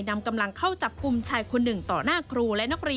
นำกำลังเข้าจับกุมชายคนหนึ่งต่อหน้าครู